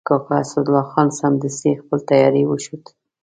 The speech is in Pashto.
کاکا اسدالله خان سمدستي خپل تیاری وښود.